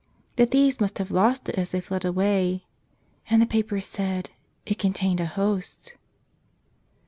The thieves must have lost it as they fled away. And the paper said — it contained a Host!